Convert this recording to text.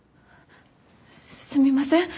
すみません。